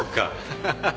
ハハハ。